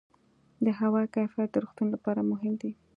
د هوا کیفیت د روغتیا لپاره مهم دی.